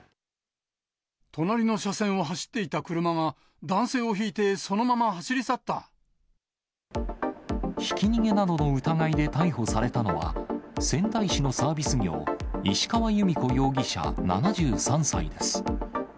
隣の車線を走っていた車が、ひき逃げなどの疑いで逮捕されたのは、仙台市のサービス業、石川由美子容疑者７３歳です。